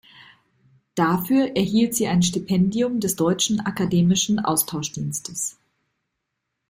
Dafür erhielt sie ein Stipendium des Deutschen Akademischen Austauschdienstes.